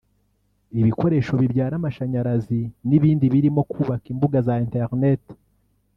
ibikoresho bibyara amashanyarazi n’ibindi birimo kubaka imbuga za internet